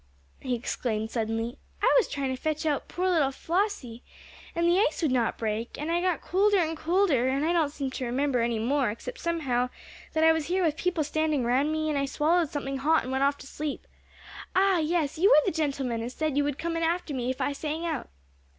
he exclaimed suddenly, "I was trying to fetch out poor little Flossy, and the ice would not break, and I got colder and colder, and then I don't seem to remember any more except somehow that I was here with people standing round me, and I swallowed something hot and went off to sleep. Ah yes! you were the gentleman as said you would come in after me if I sang out."